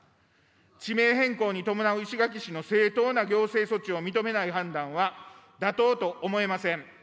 地名変更に伴う石垣市の正当な行政措置を認めない判断は、妥当と思えません。